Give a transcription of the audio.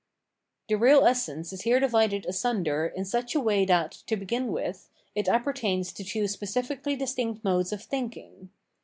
The real essence is here divided asunder in such a way that, to begin with, it appertains to two specifically distinct modes of thinking.